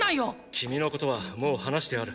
君のことはもう話してある。